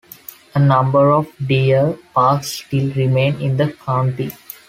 A number of deer parks still remain in the county.